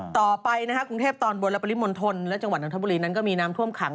ต่อไปนะครับกรุงเทพฯตอนบรปริมนธนและจังหวัดนำทะบุรีนั้นก็มีน้ำท่วมขัง